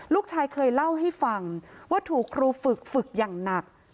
ลูกชายเคยเล่าให้ฟังว่าถูกครูฝึกฝึกอย่างหนัก